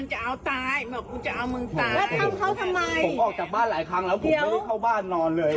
หลายครั้งแล้วผมไม่ได้เข้าบ้านนอนเลย